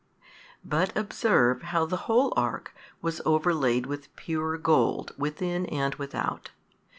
|196 But observe how the whole ark 12 was overlaid with pure gold within and without.